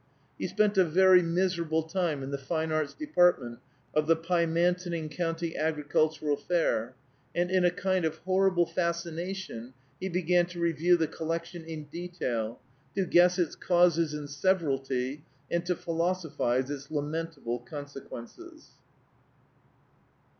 He spent a very miserable time in the Fine Arts Department of the Pymantoning County Agricultural Fair; and in a kind of horrible fascination he began to review the collection in detail, to guess its causes in severalty and to philosophize its lamentable consequences.